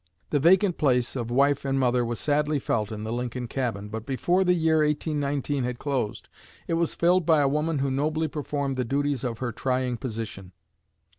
'" The vacant place of wife and mother was sadly felt in the Lincoln cabin, but before the year 1819 had closed it was filled by a woman who nobly performed the duties of her trying position.